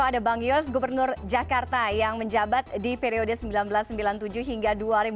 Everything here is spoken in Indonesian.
ada bang yos gubernur jakarta yang menjabat di periode seribu sembilan ratus sembilan puluh tujuh hingga dua ribu dua puluh